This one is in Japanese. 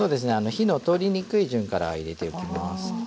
火の通りにくい順から入れていきます。